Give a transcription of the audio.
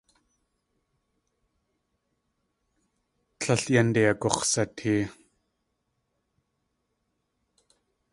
Tlél yánde agux̲satee.